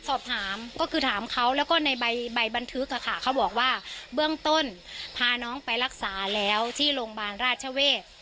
สอบถามก็คือถามเขาแล้วก็ในใบบันทึกค่ะเขาบอกว่าเบื้องต้นพาน้องไปรักษาแล้วที่โรงพยาบาลราชเวศ